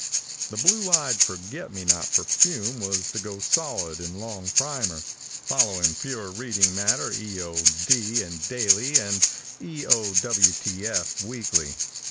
The Blue Eyed Forget me Not Perfume was to go solid in long primer, following pure reading matter eod in daily and eowtf weekly.